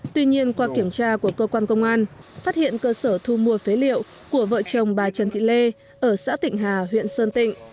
tuy nhiên qua kiểm tra của cơ quan công an phát hiện cơ sở thu mua phế liệu của vợ chồng bà trần thị lê ở xã tịnh hà huyện sơn tịnh